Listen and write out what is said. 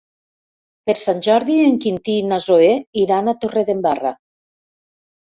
Per Sant Jordi en Quintí i na Zoè iran a Torredembarra.